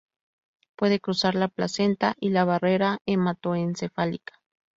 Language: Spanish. Puede cruzar la placenta y la barrera hematoencefálica.